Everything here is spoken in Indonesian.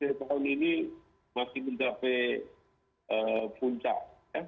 bahkan pada tahun ini masih mencapai puncak